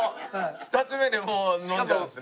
２つ目でもう飲んじゃうんですね。